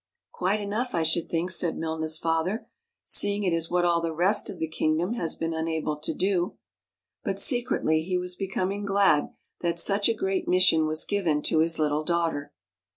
" Quite enough, I should think," said Milna's father, " seeing it is what all the rest of the kingdom has been unable to do." But secretly he was becoming glad that such a great mission was given to his little daughter.